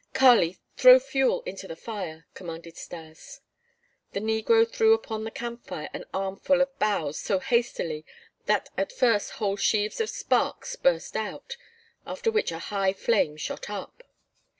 "Kali, throw fuel into the fire," commanded Stas. The negro threw upon the camp fire an armful of boughs so hastily that at first whole sheaves of sparks burst out, after which a high flame shot up.